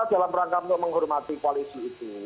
dalam rangka untuk menghormati koalisi itu